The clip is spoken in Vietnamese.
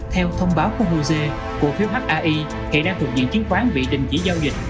theo thông báo của hosea cổ phiếu hai hiện đang thuộc diện chứng khoán bị đình chỉ giao dịch